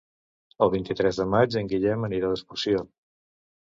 El vint-i-tres de maig en Guillem anirà d'excursió.